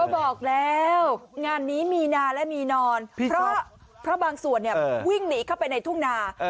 บอกแล้วงานนี้มีนาและมีนอนเพราะบางส่วนเนี่ยวิ่งหนีเข้าไปในทุ่งนา